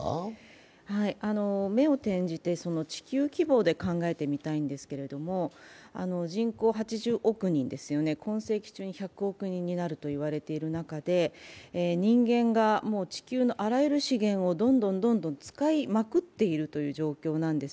目を転じて地球規模で考えてみたいんですけども、人口８０億人ですよね、今世紀中に１００億人になると言われている中で人間が地球のあらゆる資源をどんどん使いまくっている状況です。